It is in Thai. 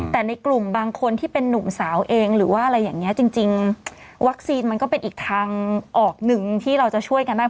แต่ในกลุ่มบางคนที่เป็นนุ่มสาวเองหรือว่าอะไรอย่างนี้จริงวัคซีนมันก็เป็นอีกทางออกหนึ่งที่เราจะช่วยกันได้